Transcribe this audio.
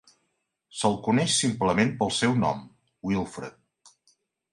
Se'l coneix simplement pel seu nom, Wilfred.